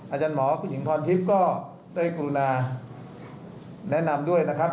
อาจารย์หมอคุณหญิงพรทิพย์ก็ได้กรุณาแนะนำด้วยนะครับ